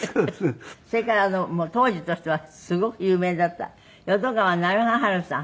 それから当時としてはすごく有名だった淀川長治さん